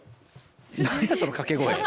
何やその掛け声。